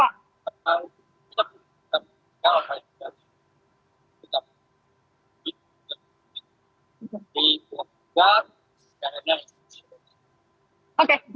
di atap juga sekarang ada atap